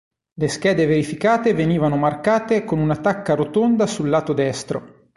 Le schede verificate venivano marcate con una tacca rotonda sul lato destro.